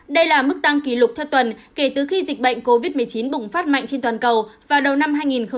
đây là mức tăng kỷ lục theo tuần kể từ khi dịch bệnh covid một mươi chín bùng phát mạnh trên toàn cầu vào đầu năm hai nghìn hai mươi